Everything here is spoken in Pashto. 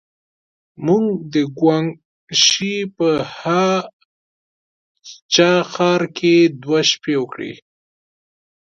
موږ د ګوانګ شي په هه چه ښار کې دوې شپې وکړې.